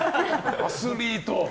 アスリート。